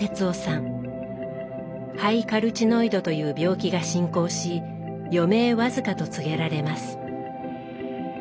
肺カルチノイドという病気が進行し余命僅かと告げられます。